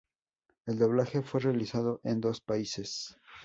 El doblaje fue realizado en dos países.